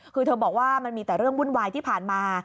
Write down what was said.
คือเธอบอกว่ามันมีแต่เรื่องวุ่นวายที่ผ่านมา